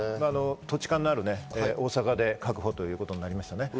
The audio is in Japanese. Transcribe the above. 土地勘のある大阪で確保ということになりました。